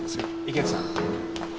池内さん。